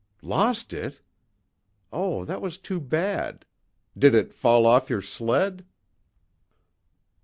"Lost it! Oh, that was too bad. Did it fall off your sled?"